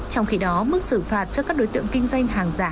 trong khi đó mức xử phạt cho các đối tượng kinh doanh hàng giả